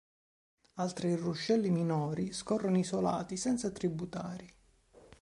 Altri ruscelli minori scorrono isolati, senza tributari.